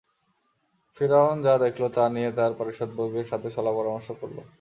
ফিরআউন যা দেখল তা নিয়ে তার পারিষদবর্গের সাথে সলাপরামর্শ করল।